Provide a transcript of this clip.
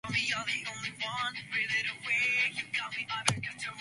They were primarily motivated in increasing the linguistic competence of children.